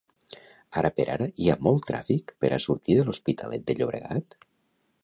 Ara per ara hi ha molt tràfic per a sortir de l'Hospitalet de Llobregat?